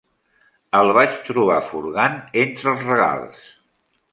El vaig trobar furgant entre els regals.